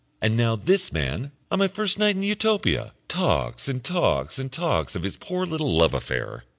And now this man, on my first night in Utopia, talks and talks and talks of his poor little love affair.